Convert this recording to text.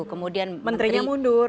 kemudian menterinya mundur